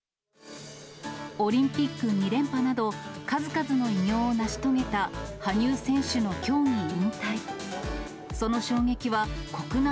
オリンピック２連覇など、数々の偉業を成し遂げた羽生選手の競技引退。